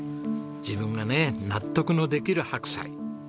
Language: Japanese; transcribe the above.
自分がね納得のできる白菜。